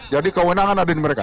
jadi kewenangan ada di mereka